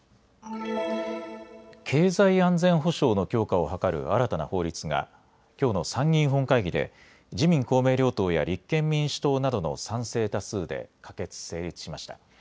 経済安全保障の強化を図る新たな法律がきょうの参議院本会議で自民公明両党や立憲民主党などの賛成多数で可決・成立しました。